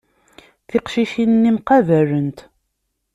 Tiqcicin-nni mqabalent.